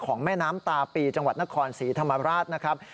แม่น้ำตาปีจังหวัดนครศรีธรรมราชนะครับ